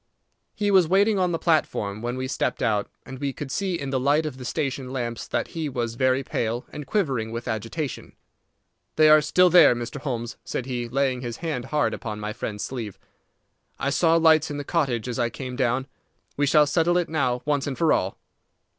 He was waiting on the platform when we stepped out, and we could see in the light of the station lamps that he was very pale, and quivering with agitation. "They are still there, Mr. Holmes," said he, laying his hand hard upon my friend's sleeve. "I saw lights in the cottage as I came down. We shall settle it now once and for all."